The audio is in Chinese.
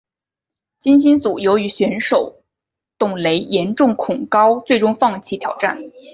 金星组由于选手董蕾严重恐高最终放弃挑战。